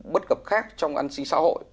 bất cập khác trong an sinh xã hội